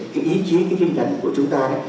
cái ý chí cái kinh thần của chúng ta đấy